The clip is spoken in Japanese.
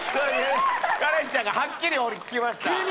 カレンちゃんからはっきり俺聞きました。